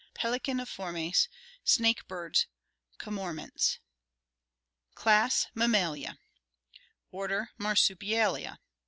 Pelecaniformes: snake birds, cormorants. Class Mammalia Order Marsupialia.